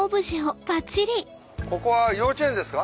ここは幼稚園ですか？